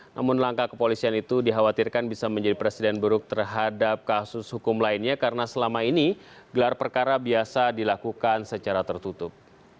namun langkah kepolisian itu dikhawatirkan bisa menjadi presiden buruk terhadap kasus hukum lainnya karena selama ini gelar perkara biasa dilakukan secara tertutup